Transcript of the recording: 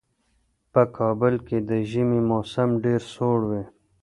په کابل کې د ژمي موسم ډېر سوړ وي.